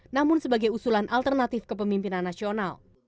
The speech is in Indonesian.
namun sebagai usulan alternatif ke pemimpinan nasional